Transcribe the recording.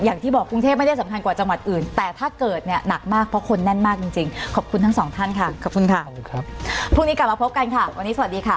อย่างที่บอกภูกเทพไม่ได้สำคัญกว่าจังหวัดอื่น